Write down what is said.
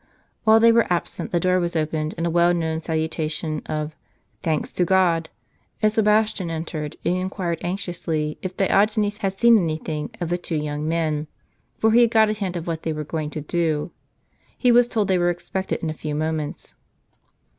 While they were absent, the door was opened, with the well known salutation of "thanks to God;" and Sebastian entered, and inquired anxiously if Diogenes had seen any thing of the two young men ; for he had got a hint of what they were going to do. He was told they were expected in a few moments.